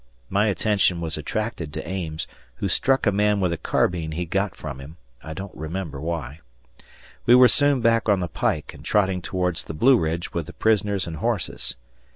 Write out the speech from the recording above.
My attention was attracted to Ames, who struck a man with a carbine he got from him I don't remember why. We were soon back on the pike and trotting towards the Blue Ridge with the prisoners and horses.